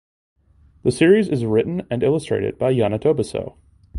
The series is written and illustrated by Yana Toboso.